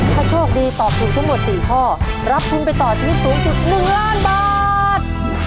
ถ้าโชคดีตอบถูกทั้งหมด๔ข้อรับทุนไปต่อชีวิตสูงสุด๑ล้านบาท